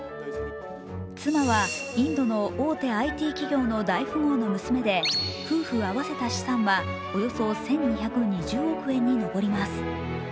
妻は、インドの大手ＩＴ企業の大富豪の娘で夫婦合わせた資産はおよそ１２２０億円に上ります。